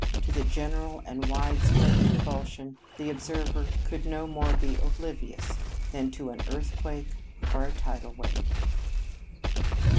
To the general and widespread convulsion, the observer could no more be oblivious than to an earthquake or a tidal wave.